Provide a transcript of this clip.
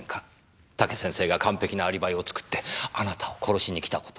武先生が完璧なアリバイを作ってあなたを殺しに来たことを。